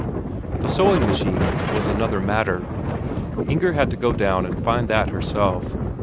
The sewing machine was another matter; Inger had to go down and find that herself.